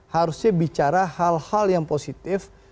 harusnya bicara hal hal yang positif